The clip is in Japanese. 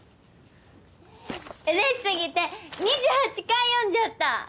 うれし過ぎて２８回読んじゃった！